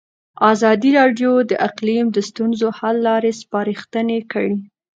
ازادي راډیو د اقلیم د ستونزو حل لارې سپارښتنې کړي.